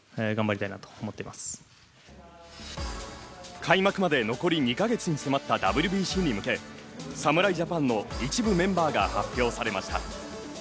開幕まで残り２か月に迫ったＷＢＣに向け侍ジャパンの一部メンバーが発表されました。